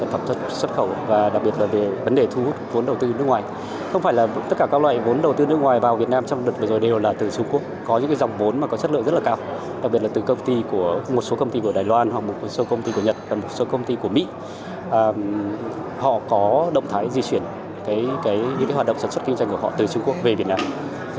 họ có động thái di chuyển những hoạt động sản xuất kinh doanh của họ từ trung quốc về việt nam